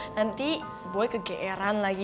nanti boy kegeran lagi